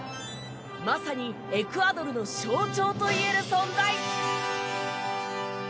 まさにエクアドルの象徴といえる存在。